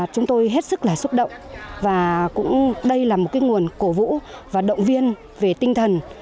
chúng tôi hết sức là xúc động và cũng đây là một nguồn cổ vũ và động viên về tinh thần